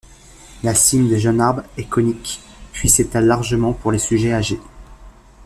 La cime des jeunes arbres est cônique, puis s'étale largement pour les sujets âgés.